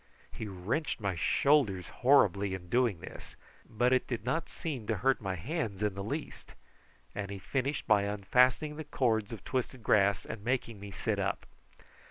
He wrenched my shoulders horribly in doing this, but it did not seem to hurt my hands in the least, and he finished by unfastening the cords of twisted grass and making me sit up.